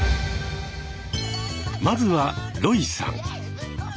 まずはロイさん。